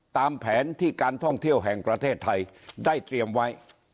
ตามแผนที่การท่องเที่ยวแห่งประเทศไทยได้เตรียมไว้